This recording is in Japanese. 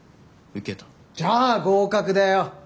じゃあ合格だよ。